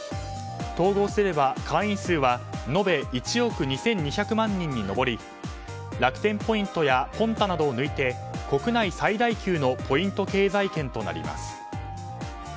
統合すれば、会員数は延べ１億２２００万人に上り楽天ポイントやＰｏｎｔａなどを抜いて国内最大級のポイント経済圏となります。